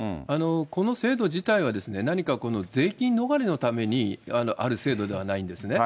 この制度自体はですね、何かこの税金逃れのためにある制度ではないんですね。